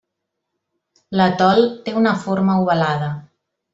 L'atol té una forma ovalada.